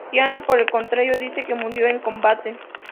Apiano, por el contrario, dice que murió en combate.